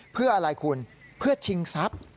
เพื่ออะไรคุณเพื่อชิงทรัพย์